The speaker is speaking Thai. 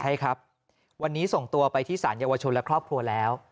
ใช่ครับวันนี้ส่งตัวไปที่สารเยาวชนและครอบครัวแล้ว